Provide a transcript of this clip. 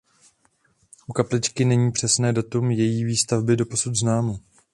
U kapličky není přesné datum její výstavby doposud známo.